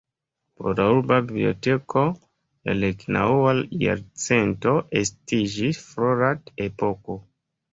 Por la Urba Biblioteko la deknaŭa jarcento estiĝis florad-epoko.